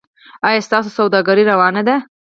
ایا ستاسو سوداګري روانه ده؟